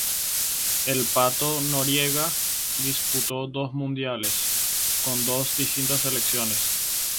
El Pato Noriega disputó dos mundiales, con dos distintas selecciones.